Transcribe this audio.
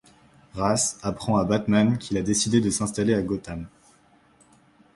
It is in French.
Ra's apprend à Batman qu'il a décidé de s'installer à Gotham.